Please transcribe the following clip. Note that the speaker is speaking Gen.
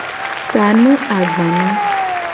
Sa nu agbana.